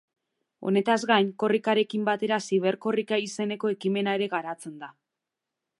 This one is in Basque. Honetaz gain, Korrikarekin batera Ziberkorrika izeneko ekimena ere garatzen da.